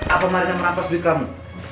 apa marina merampas duit kamu